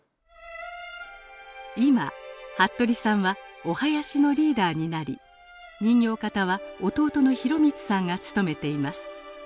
今服部さんはお囃子のリーダーになり人形方は弟の裕光さんが務めています。